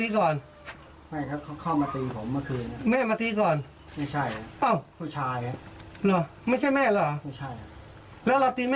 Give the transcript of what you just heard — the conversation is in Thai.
คร